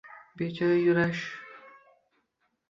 Bechora Yurash!